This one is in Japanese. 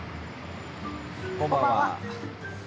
こんばんは。